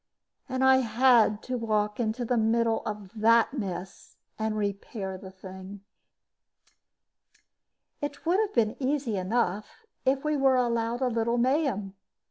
And I had to walk into the middle of that mess and repair the thing. It would have been easy enough if we were allowed a little mayhem.